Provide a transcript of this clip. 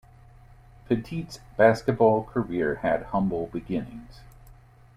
Pettit's basketball career had humble beginnings.